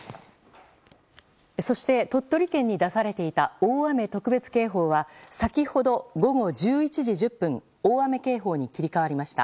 そして、鳥取県に出されていた大雨特別警報は先ほど午後１１時１０分大雨警報に切り替わりました。